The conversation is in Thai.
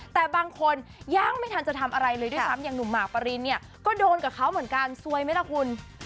แต่บางคนยังไม่ทันจะทำอะไรเลยด้วยซ้ำอย่างหนุ่มหมากปรินเนี่ยก็โดนกับเขาเหมือนกันซวยไหมล่ะคุณ